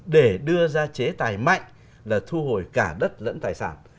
để đưa ra chế tài mạnh là thu hồi cả đất lẫn tài sản